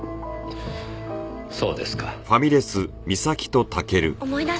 そうですか。